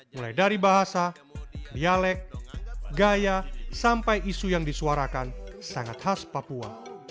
mulai dari bahasa dialek gaya sampai isu yang disuarakan sangat khas papua